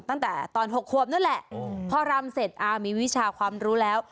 ตั้งแต่ตอน๖ควบนั่นแหละพอรำเสร็จมีวิชาความรู้แล้ว